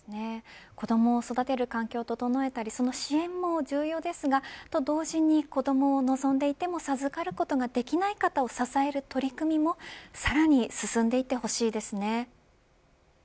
子どもを育てる環境を整えたりその支援も重要ですが同時に子どもを望んでいても授かることができない方を支える取り組みもさらに進んでいってほしいですね。